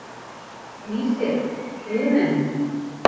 Нисек кеме?